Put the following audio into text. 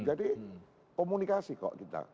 jadi komunikasi kok kita